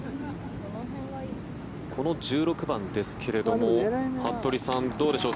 この１６番ですけれども服部さん、どうでしょう。